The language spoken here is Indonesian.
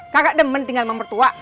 kakak demen tinggal sama mertua